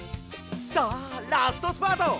さあラストスパート！